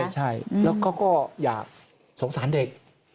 ใช่แล้วเขาก็อยากสงสารเด็ก